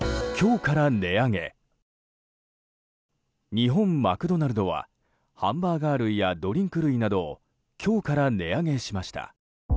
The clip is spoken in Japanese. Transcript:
日本マクドナルドはハンバーガー類やドリンク類などを今日から値上げしました。